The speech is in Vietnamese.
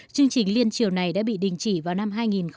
chương trình liên triều này đã bị đình chỉ vào năm hai nghìn một mươi